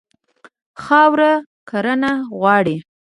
خاوره کرنه غواړي.